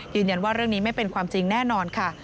ยืนยันว่าเรื่องนี้ไม่เป็นความจริงแน่นอนค่ะ